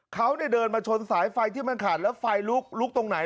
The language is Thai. เขาเดินมาชนสายไฟที่มันขาดแล้วไฟลุกตรงไหน